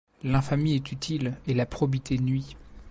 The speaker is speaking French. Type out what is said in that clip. L'infamie est utile et la probité nuit